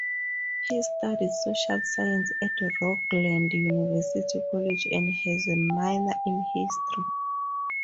He studied social science at Rogaland University College and has a minor in history.